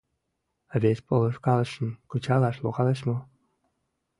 Вес полышкалышым кычалаш логалеш мо?